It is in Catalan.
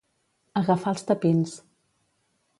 Agafar els tapins.